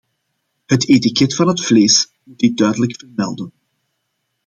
Het etiket van het vlees moet dit duidelijk vermelden.